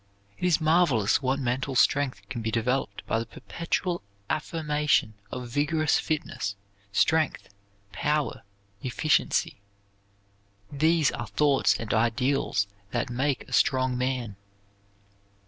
It is marvelous what mental strength can be developed by the perpetual affirmation of vigorous fitness, strength, power, efficiency; these are thoughts and ideals that make a strong man.